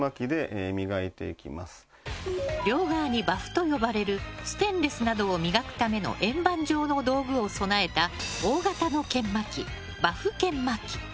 両側にバフと呼ばれるステンレスなどを磨くための円盤状の道具を備えた大型の研磨機、バフ研磨機。